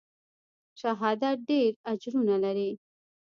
شهادت ډېر اجرونه لري.